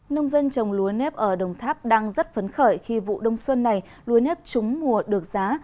nông dân trồng lúa nếp ở đồng tháp đang rất phấn khởi khi vụ đông xuân này lúa nếp trúng mùa được giá